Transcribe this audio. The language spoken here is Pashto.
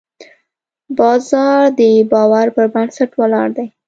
بازار د باور پر بنسټ ولاړ دی.